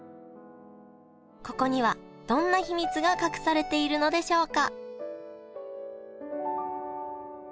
ここにはどんな秘密が隠されているのでしょうか？